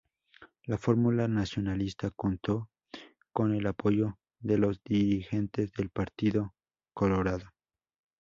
La fórmula nacionalista contó con el apoyo de los dirigentes del Partido Colorado.